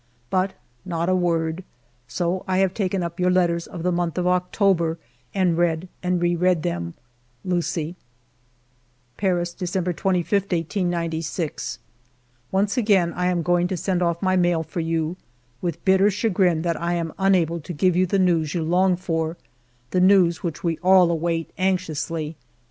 But not a word. So I have taken up your letters ALFRED DREYFUS 235 of the month of October and read and re read them. Lucie." "Paris, December 25, 1896. " Once again I am going to send off my mail for you, with bitter chagrin that I am unable to give you the news you long for, the news which we all await anxiously.